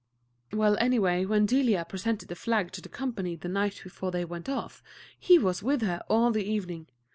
"Well, anyway, when Delia presented the flag to the company the night before they went off, he was with her all the evening.